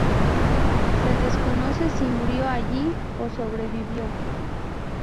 Se desconoce si murió allí o sobrevivió.